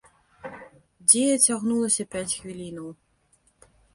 Дзея цягнулася пяць хвілінаў.